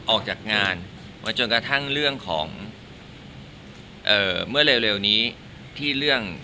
ออกจากงานมาจนกระทั่งเรื่องของเอ่อเมื่อเร็วนี้ที่เรื่อง